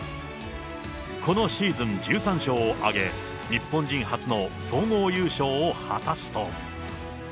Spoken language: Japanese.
このシーズン、１３勝を挙げ、日本人初の総合優勝を果たすと。